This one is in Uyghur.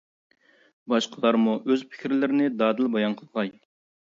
باشقىلارمۇ ئۆز پىكىرلىرىنى دادىل بايان قىلغاي!